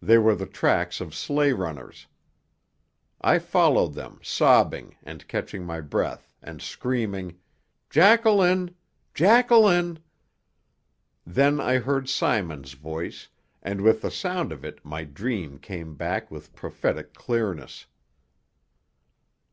They were the tracks of sleigh runners. I followed them, sobbing, and catching my breath, and screaming: "Jacqueline! Jacqueline!" Then I heard Simon's voice, and with the sound of it my dream came back with prophetic clearness.